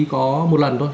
có một lần nữa